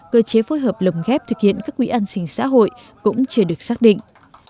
cơ chế phối hợp lồng ghép thực hiện các quỹ an sinh xã hội cũng chưa được xác định